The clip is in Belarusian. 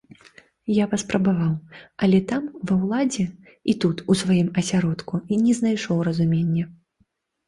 Я паспрабаваў, але там, ва ўладзе, і тут, у сваім асяродку, не знайшоў разумення.